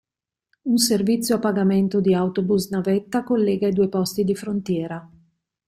Un servizio a pagamento di autobus navetta collega i due posti di frontiera.